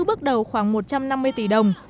bước đầu khoảng một trăm năm mươi tỷ đồng